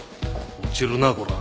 落ちるなこらぁ。